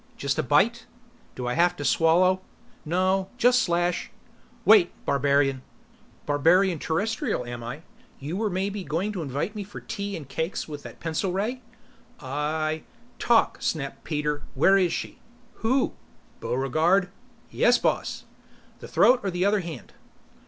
"Just a bite?" "Do I have to swallow?" "No. Just slash " "Wait, barbarian " "Barbarian Terrestrial, am I? You were maybe going to invite me for tea and cakes with that pencil ray?" "I " "Talk!" snapped Peter. "Where is she?" "Who?" "Buregarde ?" "Yes, boss. The throat or the other hand?"